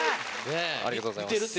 ありがとうございます。